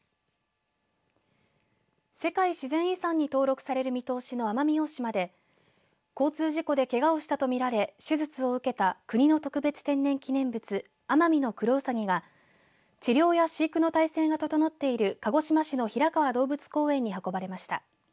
世界自然遺産に登録される見通しの奄美大島で交通事故でけがをしたとみられ手術を受けた国の特別天然記念物アマミノクロウサギが治療や飼育の体制が整っている鹿児島市の平川動物公園に運ばれました。